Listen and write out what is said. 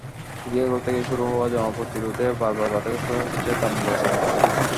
Chicago থেকে শুরু হওয়া জনপ্রতিরোধে বারবার বাধাগ্রস্ত হচ্ছে তাঁর নির্বাচনী প্রচারণা।